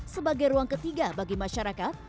sebagai ruang ketiga bagi masyarakat